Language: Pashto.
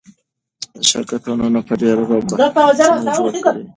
شرکتونه به ډېر روباټونه جوړ کړي.